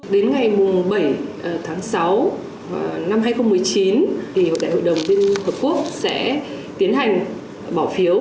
đến ngày bảy tháng sáu năm hai nghìn một mươi chín đại hội đồng liên hợp quốc sẽ tiến hành bỏ phiếu